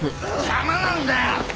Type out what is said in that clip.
邪魔なんだよ！